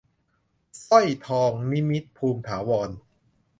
สร้อยทอง - นิมิตร ภูมิถาวร